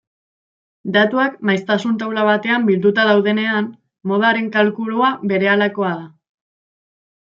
Datuak maiztasun-taula batean bilduta daudenean, modaren kalkulua berehalakoa da.